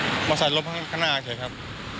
แล้วคุณรองเนี่ยเขาขอว่ามันจะล้มข้างหน้าเฉยครับ